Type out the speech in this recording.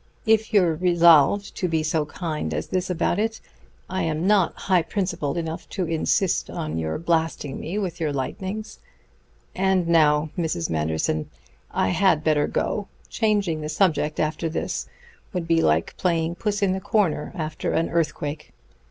"If you're resolved to be so kind as this about it, I am not high principled enough to insist on your blasting me with your lightnings. And now, Mrs. Manderson, I had better go. Changing the subject after this would be like playing puss in the corner after an earthquake."